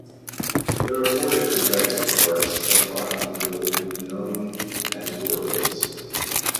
There are four different types of parks to unlock and build, known as worlds.